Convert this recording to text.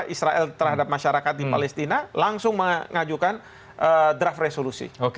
israel terhadap masyarakat di palestina langsung mengajukan draft resolusi